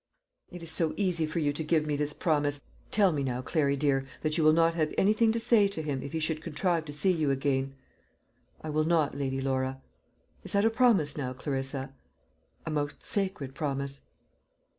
"It is so easy for you to give me this promise. Tell me now, Clary dear, that you will not have anything to say to him, if he should contrive to see you again." "I will not, Lady Laura." "Is that a promise, now, Clarissa?" "A most sacred promise."